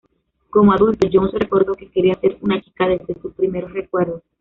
Como adulto, Jones recordó que quería ser una chica desde sus primeros recuerdos.